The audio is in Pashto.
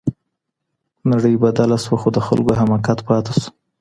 نړۍ بدله سوه خو د خلګو حماقت پاتې سو.